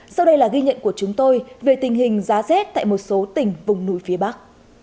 sau đây là ghi nhận của chúng tôi về tình hình giá rét tại một số tỉnh vùng núi phía bắc